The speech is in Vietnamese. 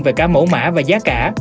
về cả mẫu mã và giá cả